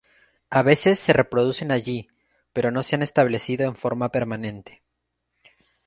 A veces se reproducen allí pero no se han establecido en forma permanente.